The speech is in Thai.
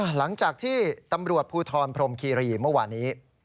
หลังจากที่ตำรวจภูทรพรมคีรีเมื่อวานนี้